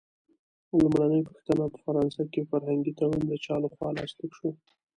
لومړۍ پوښتنه: په فرانسه کې فرهنګي تړون د چا له خوا لاسلیک شو؟